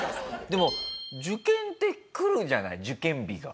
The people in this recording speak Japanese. でも受験ってくるじゃない受験日が。